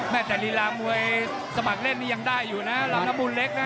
แต่ลีลามวยสมัครเล่นนี่ยังได้อยู่นะลำน้ำมูลเล็กนะ